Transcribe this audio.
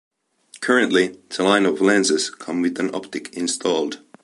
Currently the lineup of lenses come with an optic installed.